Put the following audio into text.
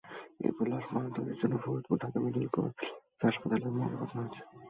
এরপর লাশ ময়নাতদন্তের জন্য ফরিদপুর মেডিকেল কলেজ হাসপাতালের মর্গে পাঠানো হয়েছে।